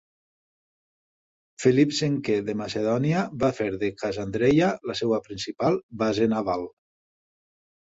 Philip V de Macedònia va fer de Casandreia la seva principal base naval.